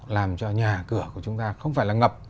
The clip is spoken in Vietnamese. làm cho nhà cửa của chúng ta không phải là ngập